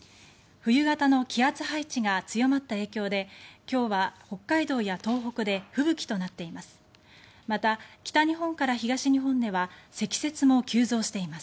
冬型の気圧配置が強まった影響で今日は北海道や東北で吹雪となっています。